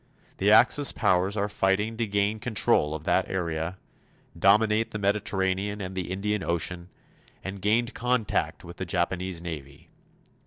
The Axis powers are fighting to gain control of that area, dominate the Mediterranean and the Indian Ocean, and gain contact with the Japanese Navy.